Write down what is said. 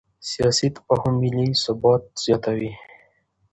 سیاسي تفاهم ملي ثبات زیاتوي